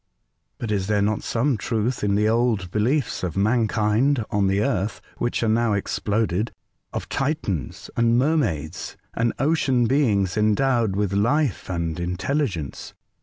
''But is there not some truth in the old beliefs of mankind on the Earth, which are now exploded — of Titans, and Mermaids, and ocean beings endowed with life and intelligence